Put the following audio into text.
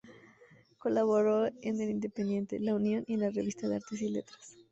Colaboró en "El Independiente", "La Unión" y en la "Revista de Artes y Letras".